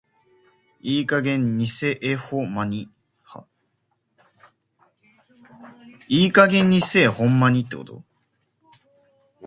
いい加減偽絵保マニ。